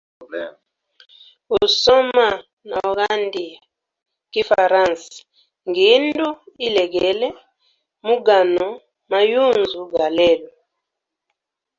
Usoma na ugandia kifaransa ngindu ilegele mu gano mayunzu ga lelo.